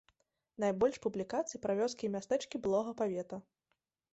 Найбольш публікацый пра вёскі і мястэчкі былога павета.